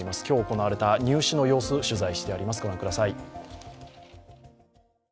今日行われた入試の様子取材してあります。